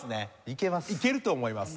いけると思います。